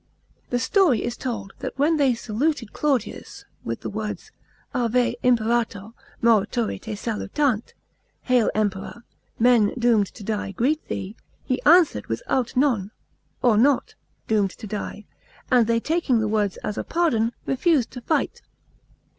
The story is told that when they saluted Claudius with the words, Have, imperator, morituri te salutant, ("Hail, Emperor! men doomed to die greet thee "), he answered with aut non (" Or not" doom d to die); and they, taking the words as a pardon, refused to fi^ht.